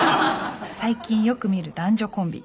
最近よく見る男女コンビ。